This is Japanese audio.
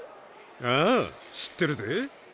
ああ知ってるぜ。